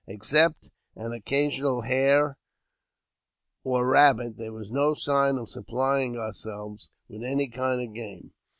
Except an occasional hare or rabbit, there was no sign of supplying ourselves with any kind of game.